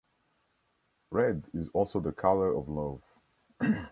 Red is also the color of love.